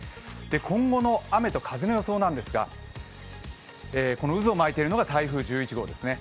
今後の雨と風の予想なんですが渦を巻いているのが台風１１号です。